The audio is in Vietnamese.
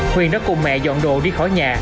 huyền đã cùng mẹ dọn đồ đi khỏi nhà